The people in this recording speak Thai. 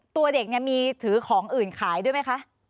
ตัวเด็กเนี่ยมีถือของอื่นขายด้วยไหมคะ